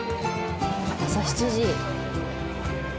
朝７時。